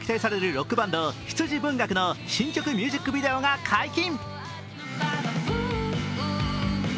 ロックバンド、羊文学の新曲ミュージックビデオが解禁。